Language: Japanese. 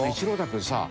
君さ